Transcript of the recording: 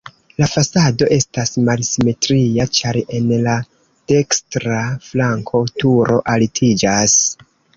La fasado estas malsimetria, ĉar en la dekstra flanko turo altiĝas.